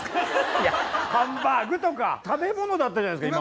いやハンバーグとか食べ物だったじゃないですか